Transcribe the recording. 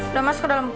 udah masuk ke dalam